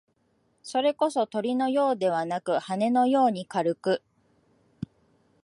それこそ、鳥のようではなく、羽毛のように軽く、